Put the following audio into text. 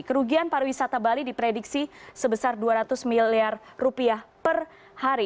kerugian pariwisata bali diprediksi sebesar dua ratus miliar rupiah per hari